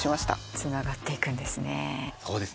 つながっていくんですね。